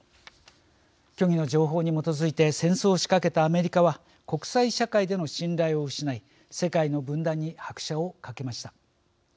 虚偽の情報に基づいて戦争を仕掛けたアメリカは国際社会での信頼を失い世界の分断に拍車をかけました。